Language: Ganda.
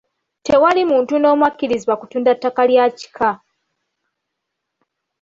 Tewali muntu n'omu akkirizibwa kutunda ttaka lya kika.